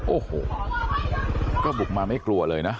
โอ้โหก็บุกมาไม่กลัวเลยนะ